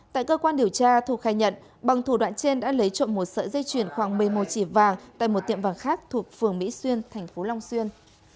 tại cơ quan điều tra thu khai nhận bằng thủ đoạn trên đã lấy trộm một sợi dây chuyển khoảng một mươi một chỉ vàng tại một tiệm vàng khác thuộc phường mỹ xuyên thành phố long xuyên